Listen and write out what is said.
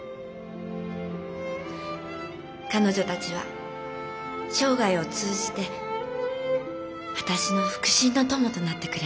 彼女たちは生涯を通じて私の腹心の友となってくれました。